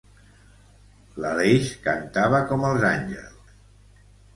L'Aleix cantava com els àngels.